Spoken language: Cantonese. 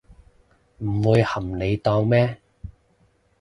唔會冚你檔咩